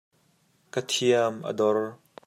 Ka thiam a dor.